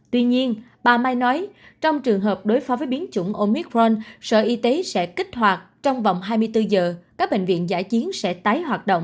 tuy nhiên bà mai nói trong trường hợp đối phó với biến chủng omicront sở y tế sẽ kích hoạt trong vòng hai mươi bốn giờ các bệnh viện giải chiến sẽ tái hoạt động